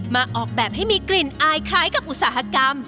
ออกแบบให้มีกลิ่นอายคล้ายกับอุตสาหกรรม